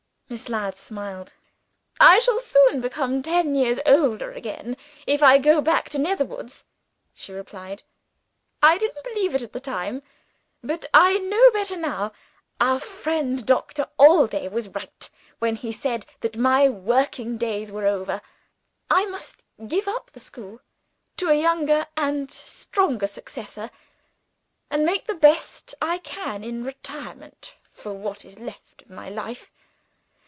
Miss Ladd smiled. "I shall soon be ten years older again, if I go back to Netherwoods," she replied. "I didn't believe it at the time; but I know better now. Our friend Doctor Allday was right, when he said that my working days were over. I must give up the school to a younger and stronger successor, and make the best I can in retirement of what is left of my life.